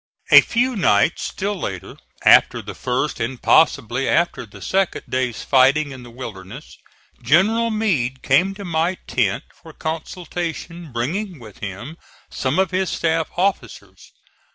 A few nights still later (after the first, and possibly after the second, day's fighting in the Wilderness) General Meade came to my tent for consultation, bringing with him some of his staff officers.